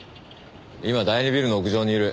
今第２ビルの屋上にいる。